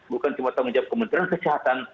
bukan cuma tanggung jawab kementerian kesehatan